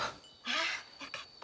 ああよかった。